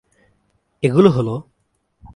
এগুলো হলো